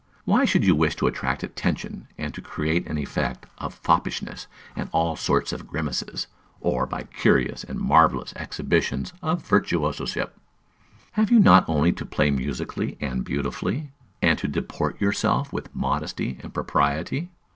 Why should you wish to attract attention, and to create an effect by foppishness and all sorts of grimaces, or by curious and marvellous exhibitions of virtuoso ship? You have only to play musically and beautifully, and to deport yourselves with modesty and propriety.